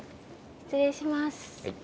失礼します。